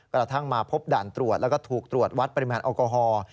กระทั่งมาพบด่านตรวจแล้วก็ถูกตรวจวัดปริมาณแอลกอฮอล์